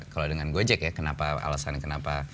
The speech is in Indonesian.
kalau dengan gojek ya alasan kenapa